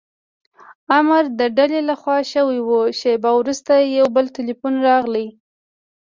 امر د ډلې له خوا شوی و، شېبه وروسته یو بل ټیلیفون راغلی.